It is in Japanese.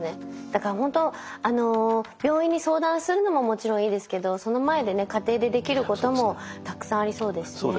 だからほんと病院に相談するのももちろんいいですけどその前でね家庭でできることもたくさんありそうですね。